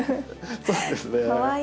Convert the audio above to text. そうですね。